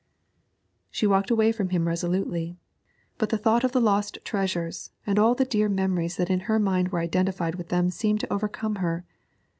She walked away from him resolutely, but the thought of the lost treasures and all the dear memories that in her mind were identified with them seemed to overcome her.